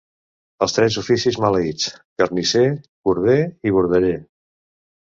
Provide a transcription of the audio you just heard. Els tres oficis maleïts: carnisser, corder i bordeller.